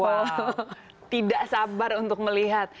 wow tidak sabar untuk melihat